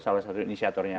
salah satu inisiatornya